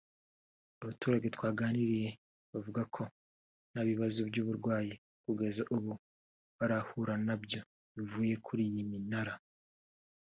Abaturage twaganiriye bavuga ko nta bibazo by’uburwayi kugeza ubu barahura nabyo bivuye kuri iyi minara